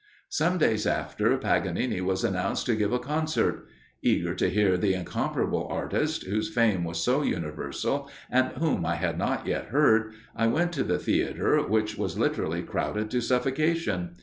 "Some days after, Paganini was announced to give a concert. Eager to hear the incomparable artist, whose fame was so universal, and whom I had not yet heard, I went to the theatre, which was literally crowded to suffocation.